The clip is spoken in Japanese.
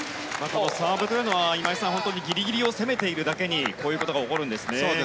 サーブというのは、今井さんギリギリを攻めているだけにこういうことが起こるんですね。